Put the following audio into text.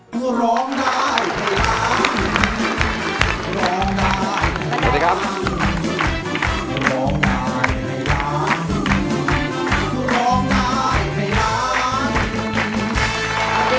สวัสดีครับ